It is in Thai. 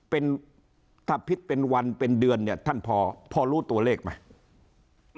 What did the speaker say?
เป็นถ้าพลิกเป็นวันเป็นเดือนเนี่ยท่านพอรู้ตัวเลขไหม